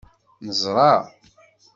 Neẓṛa.